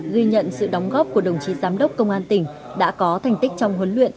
ghi nhận sự đóng góp của đồng chí giám đốc công an tỉnh đã có thành tích trong huấn luyện